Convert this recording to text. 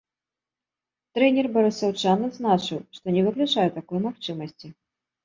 Трэнер барысаўчан адзначыў, што не выключае такой магчымасці.